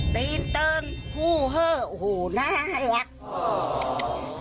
ตีนเติมฮู่เฮ่อหน้าให้หลัก